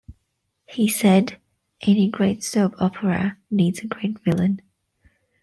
He said, Any great soap opera needs a great villain.